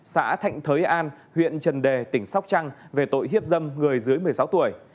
xã thạnh thới an huyện trần đề tỉnh sóc trăng về tội hiếp dâm người dưới một mươi sáu tuổi